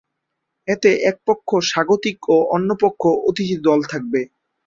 এতে এক পক্ষ স্বাগতিক ও অন্য পক্ষ অতিথি দল থাকবে।